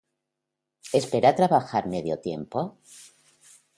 ¿Espera trabajar medio tiempo?